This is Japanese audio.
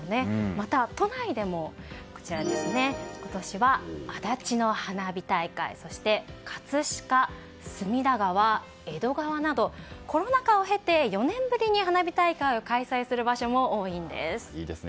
また都内でも今年は足立の花火大会そして葛飾、隅田川、江戸川などコロナ禍を経て４年ぶりに花火大会をいいですね。